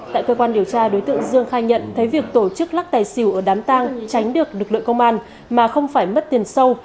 tại cơ quan điều tra đối tượng dương khai nhận thấy việc tổ chức lắc tài xỉu ở đám tang tránh được lực lượng công an mà không phải mất tiền sâu